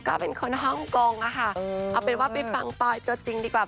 ก็เป็นคนฮ่องกงอะค่ะเอาเป็นว่าไปฟังปอยตัวจริงดีกว่า